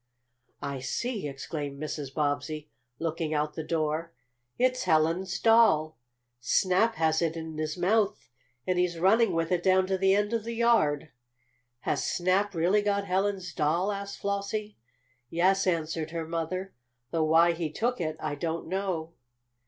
"I see!" exclaimed Mrs. Bobbsey, looking out the door. "It's Helen's doll. Snap has it in his mouth and he's running with it down to the end of the yard." "Has Snap really got Helen's doll?" asked Flossie. "Yes," answered her mother. "Though why he took it I don't know."